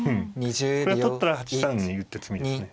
これは取ったら８三に打って詰みですね。